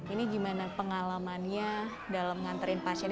ini bagaimana pengalamannya dalam mengantarkan pasien